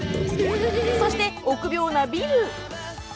そして、臆病なビル。